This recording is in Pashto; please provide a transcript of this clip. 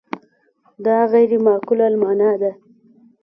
دا غیر معقولة المعنی ده.